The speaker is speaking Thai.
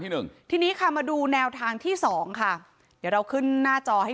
หนึ่งทีนี้ค่ะมาดูแนวทางที่สองค่ะเดี๋ยวเราขึ้นหน้าจอให้